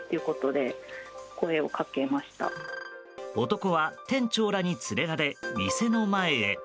男は店長らに連れられ店の前へ。